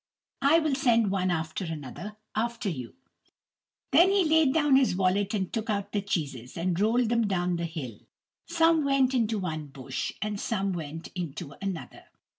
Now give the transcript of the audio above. I will send one after another after you." Then he laid down his wallet and took out the cheeses, and rolled them down the hill. Some went into one bush; and some went into another.